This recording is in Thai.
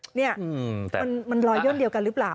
เห็นไหมมันรอยย่นเดียวกันหรือเปล่า